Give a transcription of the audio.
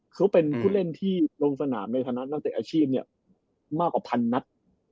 เขาเป็นผู้เล่นที่ลงสนามในฐานะนักเตะอาชีพเนี่ยมากกว่าพันนัด